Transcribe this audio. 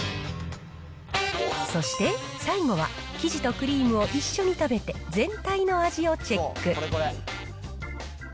そして最後は生地とクリームを一緒に食べて、全体の味をチェック。